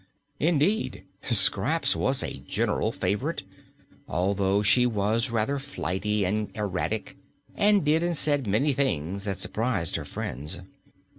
Indeed, Scraps was a general favorite, although she was rather flighty and erratic and did and said many things that surprised her friends.